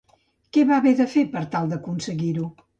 Què va haver de fer per tal d'aconseguir-ho?